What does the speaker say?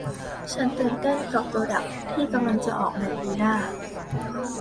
ฉันตื่นเต้นกับโปรดักส์ที่กำลังจะออกในปีหน้า